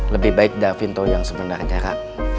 lebih baik davinto yang sebenernya